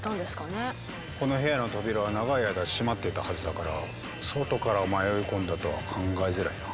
この部屋の扉は長い間閉まっていたはずだから外から迷い込んだとは考えづらいな。